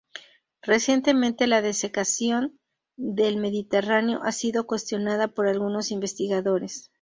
Recientemente la desecación del Mediterráneo ha sido cuestionada por algunos investigadores.